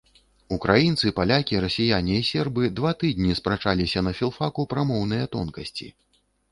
Украінцы, палякі, расіяне і сербы два тыдні спрачаліся на філфаку пра моўныя тонкасці.